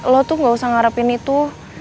lo tuh gak usah ngarepin itu